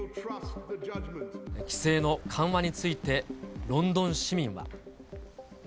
規制の緩和について、ロンドン市民は。